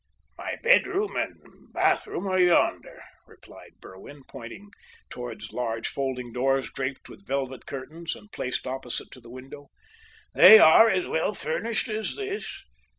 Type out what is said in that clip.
"My bedroom and bathroom are yonder," replied Berwin, pointing towards large folding doors draped with velvet curtains, and placed opposite to the window. "They are as well furnished as this.